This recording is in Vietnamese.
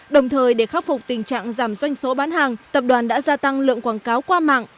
đồng thời để khắc phục tình trạng giảm doanh số bán hàng tập đoàn đã gia tăng lượng quảng cáo qua mạng